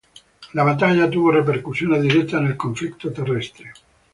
La batalla tuvo repercusiones directas en el conflicto terrestre.